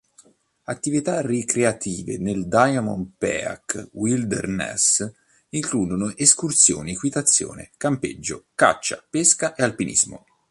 Attività ricreative nel Diamond Peak Wilderness includono escursioni, equitazione, campeggio, caccia, pesca e alpinismo.